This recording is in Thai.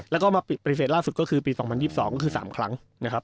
แล้วก็มันปฏิเสธล่าสุดก็คือปี๒๐๑๒ก็คือสามครั้ง